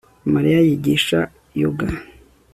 Mariya yigisha yoga